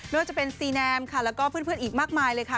ไม่ว่าจะเป็นซีแนมค่ะแล้วก็เพื่อนอีกมากมายเลยค่ะ